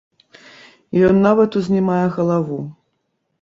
Ён нават узнімае галаву.